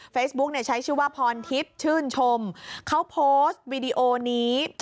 เนี่ยใช้ชื่อว่าพรทิพย์ชื่นชมเขาโพสต์วีดีโอนี้